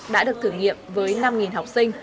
đã được thử nghiệm với năm học sinh